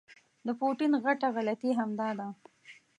د پوټین غټه غلطي همدا ده.